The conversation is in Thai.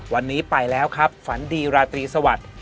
วันนี้ไปแล้วครับฝันดีราตรีสวัสดิ์